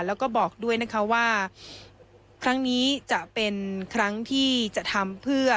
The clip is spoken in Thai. แล้วก็บอกด้วยนะคะว่าครั้งนี้จะเป็นครั้งที่จะทำเพื่อ